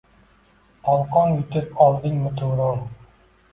Tolqon yutib oldingmi Turon?